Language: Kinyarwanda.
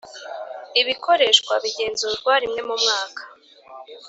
ibikoreshwa bigenzurwa rimwe mu mwaka